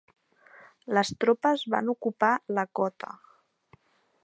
Les tropes van ocupar la cota.